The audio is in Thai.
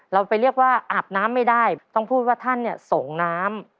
เราไปเรียกว่าอาบน้ำไม่ได้ต้องพูดว่าท่านเนี่ยส่งน้ำ